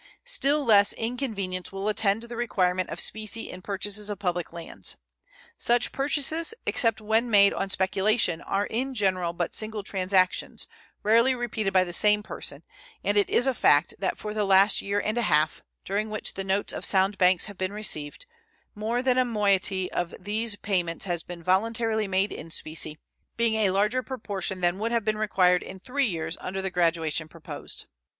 Still less inconvenience will attend the requirement of specie in purchases of public lands. Such purchases, except when made on speculation, are in general but single transactions, rarely repeated by the same person; and it is a fact that for the last year and a half, during which the notes of sound banks have been received, more than a moiety of these payments has been voluntarily made in specie, being a larger proportion than would have been required in three years under the graduation proposed.